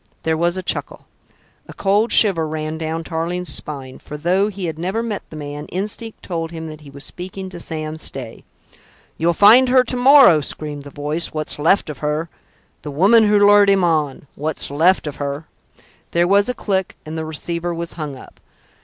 There was a chuckle. A cold shiver ran down Tarling's spine; for, though he had never met the man, instinct told him that he was speaking to Sam Stay. "You'll find her to morrow," screamed the voice, "what's left of her. The woman who lured him on ... what's left of her...." There was a click, and the receiver was hung up.